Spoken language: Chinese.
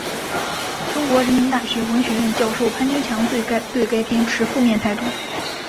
中国人民大学文学院教授潘天强对该片持负面态度。